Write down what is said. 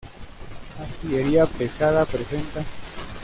Artillería pesada presenta...